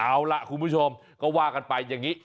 เอาล่ะคุณผู้ชมก็ว่ากันไปอย่างนี้